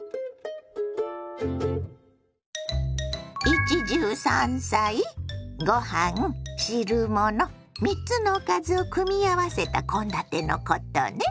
「一汁三菜」？ご飯汁物３つのおかずを組み合わせた献立のことね。